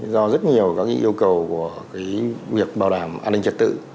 do rất nhiều các yêu cầu của việc bảo đảm an ninh trật tự